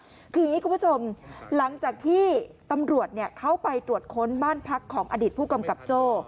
คืออย่างนี้คุณผู้ชมหลังจากที่ตำรวจเข้าไปตรวจค้นบ้านพักของอดีตผู้กำกับโจ้